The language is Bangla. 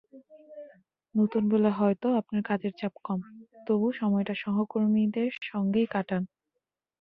নতুন বলে হয়তো আপনার কাজের চাপ কম, তবু সময়টা সহকর্মীদের সঙ্গেই কাটান।